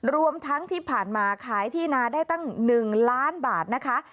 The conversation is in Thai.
รวมทั้งที่ผ่านมาขายที่นาได้ตั้ง๑ล้านบาทนะคะ